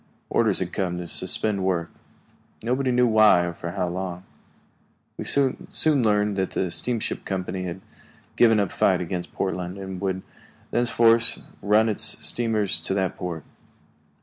Orders had come to suspend work. Nobody knew why, or for how long. We soon learned that the steamship company had given up the fight against Portland and would thenceforward run its steamers to that port.